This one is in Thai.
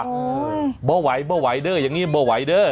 บ้าไหวบ้าไหวเด้ออย่างนี้บ่ไหวเด้อ